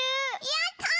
やった！